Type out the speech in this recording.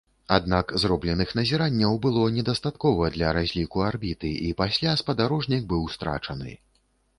Аднак зробленых назіранняў было недастаткова для разліку арбіты, і пасля спадарожнік быў страчаны.